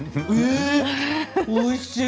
おいしい。